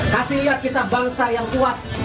kasih lihat kita bangsa yang kuat